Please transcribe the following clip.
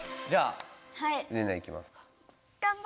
じゃあレナいきますか。